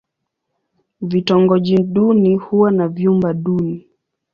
Vitongoji duni huwa na vyumba duni.